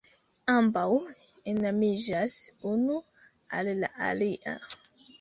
Ambaŭ enamiĝas unu al la alia.